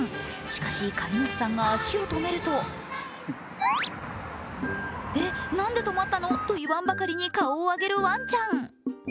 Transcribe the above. しかし、飼い主さんが足を止めるとえっ、なんで止まったの？とばかりに顔を上げるワンちゃん。